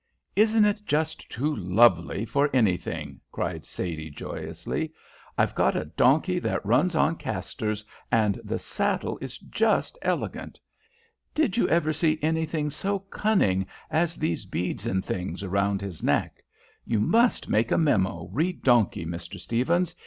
"Isn't it just too lovely for anything?" cried Sadie, joyously. "I've got a donkey that runs on casters, and the saddle is just elegant. Did you ever see anything so cunning as these beads and things round his neck? You must make a memo, re donkey, Mr. Stephens.